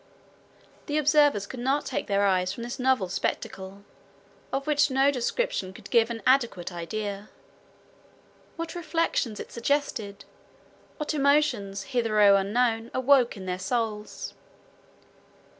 The observers could not take their eyes from this novel spectacle, of which no description could give an adequate idea. What reflections it suggested! What emotions hitherto unknown awoke in their souls!